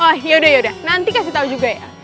oh yaudah yaudah nanti kasih tau juga ya